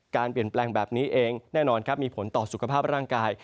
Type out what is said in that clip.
การเปลี่ยนแปลงแบบนี้เองแน่นอนครับมีผลต่อสุขภาพร่างกาย